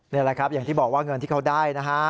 นี่แหละครับอย่างที่บอกว่าเงินที่เขาได้นะฮะ